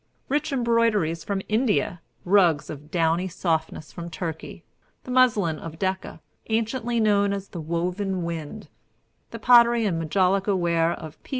Rich embroideries from India, rugs of downy softness from Turkey, the muslin of Decca, anciently known as "The Woven Wind," the pottery and majolica ware of P.